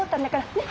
ねっ？